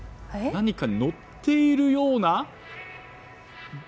何かに乗っているような。